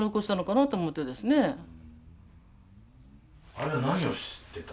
あれは何をしてた？